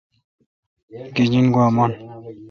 گیجن گوا من۔